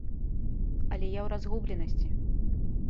Але я ў разгубленасці.